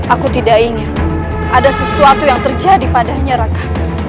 aku tidak ingin ada sesuatu yang terjadi padanya raka